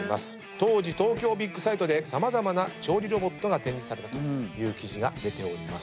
当時東京ビッグサイトで様々な調理ロボットが展示されたという記事が出ております。